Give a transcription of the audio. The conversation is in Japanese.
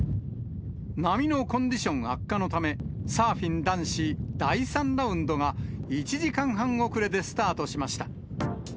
波のコンディション悪化のため、サーフィン男子第３ラウンドが、１時間半遅れでスタートしました。